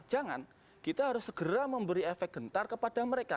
jangan kita harus segera memberi efek gentar kepada mereka